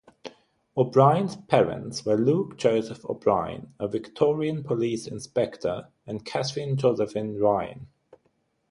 O'Brien's parents were Luke Joseph O'Brien, a Victorian Police Inspector, and Katherine Josephine Ryan.